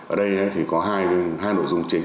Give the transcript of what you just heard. ở đây thì có hai nội dung chính